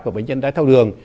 và bệnh nhân đáy thao đường